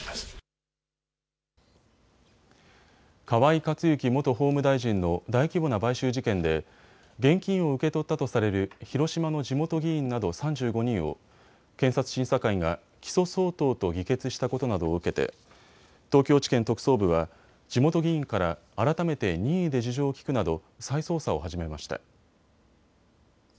河井克行元法務大臣の大規模な買収事件で現金を受け取ったとされる広島の地元議員など３５人を検察審査会が起訴相当と議決したことなどを受けて東京地検特捜部は地元議員から改めて任意で事情を聴くなど再捜査を始めました。